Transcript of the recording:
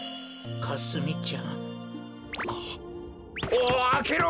おおあけろ！